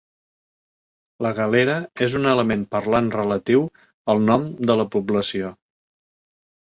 La galera és un element parlant relatiu al nom de la població.